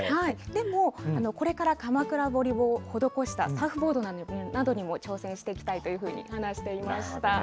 でも、これから鎌倉彫を施したサーフボードなどにも挑戦していきたいというふうに話していました。